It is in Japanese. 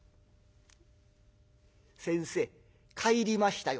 先生帰りましたよ」。